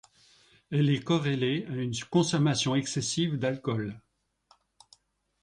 Elle est corrélée à une consommation excessive d'alcool.